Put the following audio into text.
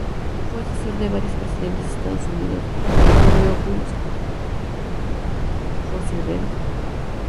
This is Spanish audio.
Fue asesor de varios presidentes de Estados Unidos: Woodrow Wilson y Franklin Delano Roosevelt.